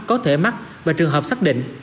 có thể mắc và trường hợp xác định